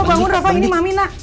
bangun bangun rafa ini mami nak